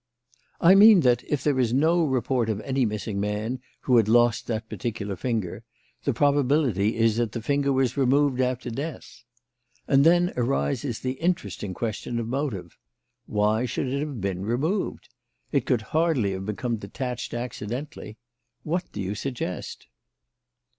"I mean that, if there is no report of any missing man who had lost that particular finger, the probability is that the finger was removed after death. And then arises the interesting question of motive. Why should it have been removed? It could hardly have become detached accidentally. What do you suggest?"